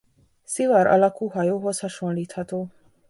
Szivar alakú hajóhoz hasonlítható.